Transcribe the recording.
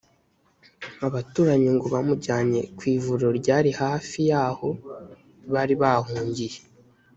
abaturanyi ngo bamujyane ku ivuriro ryari hafi y aho bari bahungiye